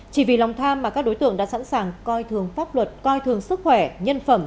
chỉ vì lòng tham mà các đối tượng đã sẵn sàng coi thường pháp luật coi thường sức khỏe nhân phẩm